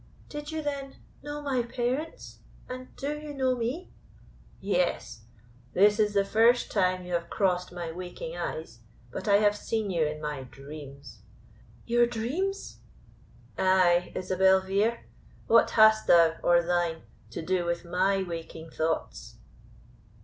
"Did you, then, know my parents, and do you know me?" "Yes; this is the first time you have crossed my waking eyes, but I have seen you in my dreams." "Your dreams?" "Ay, Isabel Vere. What hast thou, or thine, to do with my waking thoughts?"